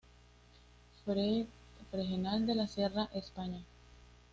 Fregenal de la Sierra, España